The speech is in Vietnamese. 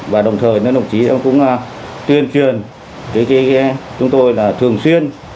và đồng thời đồng chí cũng tuyên truyền cho chúng tôi là thường xuyên